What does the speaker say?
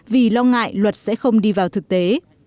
vì lo ngại luật sẽ không đi vào thực tế